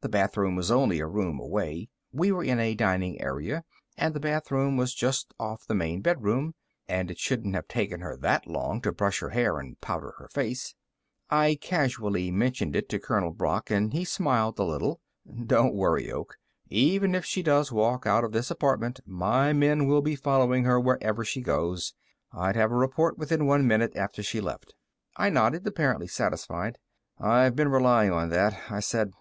The bathroom was only a room away we were in a dining area, and the bathroom was just off the main bedroom and it shouldn't have taken her that long to brush her hair and powder her face. I casually mentioned it to Colonel Brock, and he smiled a little. "Don't worry, Oak; even if she does walk out of this apartment, my men will be following her wherever she goes. I'd have a report within one minute after she left." I nodded, apparently satisfied. "I've been relying on that," I said.